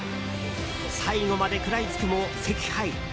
最後まで食らいつくも、惜敗。